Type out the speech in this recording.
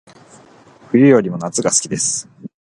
冬よりも夏が好きです